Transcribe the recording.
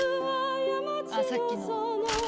あっさっきの。